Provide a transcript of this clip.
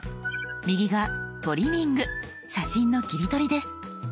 右が「トリミング」写真の切り取りです。